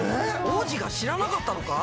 王子が知らなかったのか？